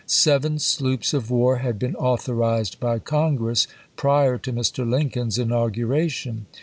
Seven sloops of war had been authorized by Congress prior to Mr. Lincoln's inauguration.